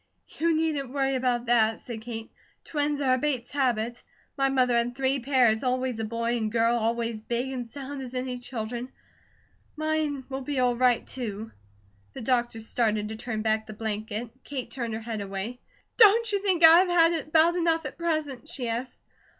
"You needn't worry about that," said Kate. "Twins are a Bates habit. My mother had three pairs, always a boy and a girl, always big and sound as any children; mine will be all right, too." The doctor started to turn back the blanket. Kate turned her head away: "Don't you think I have had about enough at present?" she asked.